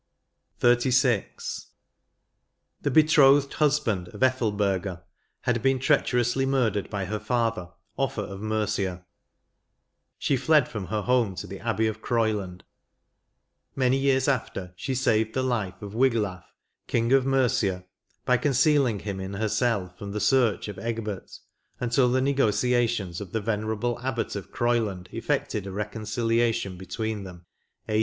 7*4 XXXVI. The betrothed husband of Ethelberga had been treacherously murdered by her father, OflRa of Mercia ; she fled from her home to the Abbey of Groyland. Many years after, she saved the life of Wiglaf, king of Mercia, by concealing him in her cell from the search of Egbert, until the ne gociations of the venerable Abbot of Groyland eflFected a reconciliation between them, a.